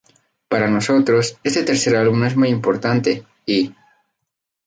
Para nosotros, este tercer álbum es muy importante y...